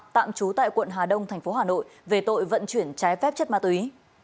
tạm trú tại quận hà đông thành phố hà nội về tội vận chuyển trái phép chất ma túy